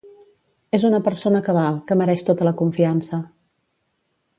És una persona cabal, que mereix tota la confiança.